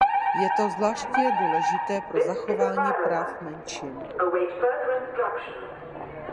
Je to zvláště důležité pro zachování práv menšin.